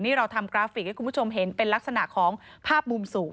นี่เราทำกราฟิกให้คุณผู้ชมเห็นเป็นลักษณะของภาพมุมสูง